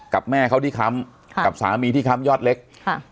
แม่เขาที่ค้ำกับสามีที่ค้ำยอดเล็ก